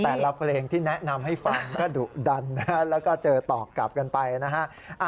แต่ละเพลงที่แนะนำให้ฟังก็ดุดันนะแล้วก็เจอตอบกลับกันไปนะฮะ